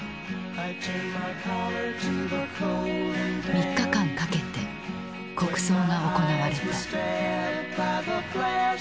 ３日間かけて国葬が行われた。